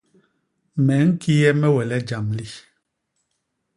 Me ñkiye me we le jam li?